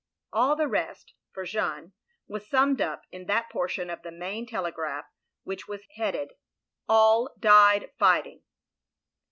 " All the rest — ^for Jeanne — ^was summed up in that portion of the main telegram which was headed: AU died fighting.